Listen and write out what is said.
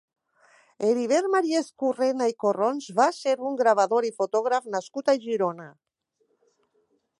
Heribert Mariezcurrena i Corrons va ser un gravador i fotògraf nascut a Girona.